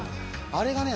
あれがね